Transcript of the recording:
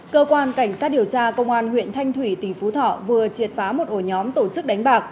cơ quan cảnh sát điều tra công an huyện thanh thủy tỉnh phú thọ vừa triệt phá một ổ nhóm tổ chức đánh bạc